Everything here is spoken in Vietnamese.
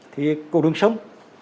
thì cục đường sông